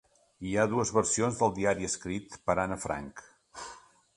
Hi ha dues versions del diari escrit per Anne Frank.